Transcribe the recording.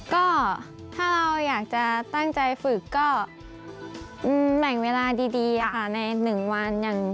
ก็ถ้าเราอยากจะตั้งใจฝึกก็แบ่งเวลาดีค่ะใน๑วัน